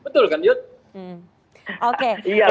betul kan yud